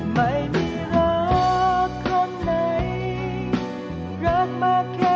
ไม่มีรักคนไหนรักมากแค่